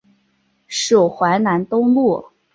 属淮南东路。